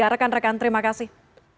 rekan rekan terima kasih